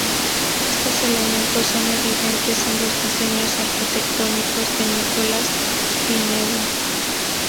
Estos elementos son evidentes en los diseños arquitectónicos de Nicolas Pineau.